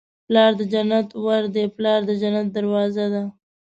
پلار د جنت ور دی. پلار د جنت دروازه ده